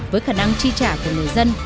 với khả năng tri trả của người dân